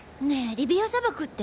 リビア砂漠って？